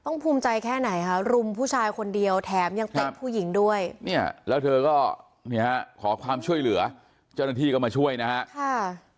แน่ใจแค่ไหนคะรุมผู้ชายคนเดียวแถมยังเต็กผู้หญิงด้วยแล้วเธอก็ขอความช่วยเหลือเจ้าหน้าที่ก็มาช่วยนะครับ